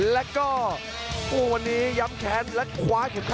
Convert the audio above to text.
แล้วก็